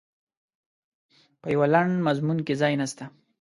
په یوه لنډ مضمون کې ځای نسته.